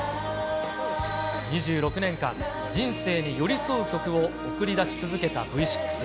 ２６年間、人生に寄り添う曲を送り出し続けたＶ６。